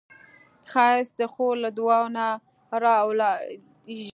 ښایست د خور له دعاوو نه راولاړیږي